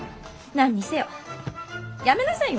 何にせよやめなさいよ。